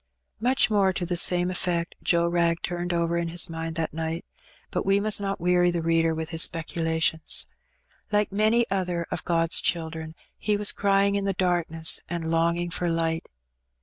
Much more to the same eflfect Joe Wrag turned over in his mind that night, but we must not weary the reader with his speculations. Like many other of God's children, he was crying in the darkness and longing for light.